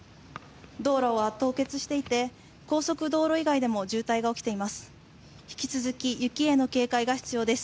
道路は凍結していて高速道路以外でも渋滞が起きています。